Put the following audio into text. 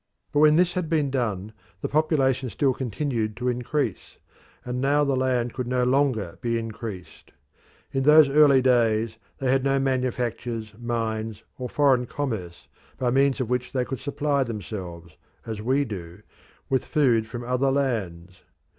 But when this had been done the population still continued to increase, and now the land could no longer be increased. In those early days they had no manufactures, mines, or foreign commerce by means of which they could supply themselves, as we do, with food from other lands.